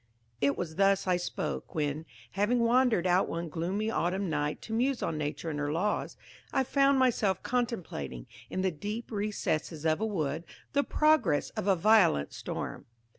It was thus I spoke, when, having wandered out one gloomy autumn night to muse on Nature and her laws, I found myself contemplating, in the deep recesses of a wood, the progress of a violent storm.